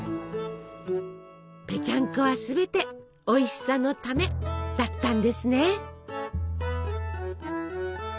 ぺちゃんこはすべておいしさのためだったんですね。